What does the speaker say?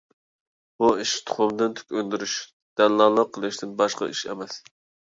بۇ ئىش تۇخۇمدىن تۈك ئۈندۈرۈش، دەللاللىق قىلىشتىن باشقا ئىش ئەمەس.